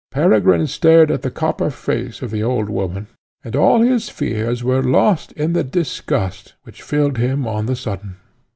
Peregrine stared at the copper face of the old woman, and all his fears were lost in the disgust which filled him on the sudden.